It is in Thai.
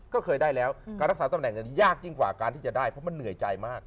ก็เคยได้แล้วการรักษาตำแหน่งนี้ยากยิ่งกว่าการที่จะได้เพราะมันเหนื่อยใจมาก